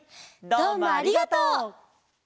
どうもありがとう！